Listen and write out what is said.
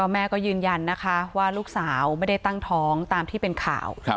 แม่ก็ยืนยันนะคะว่าลูกสาวไม่ได้ตั้งท้องตามที่เป็นข่าว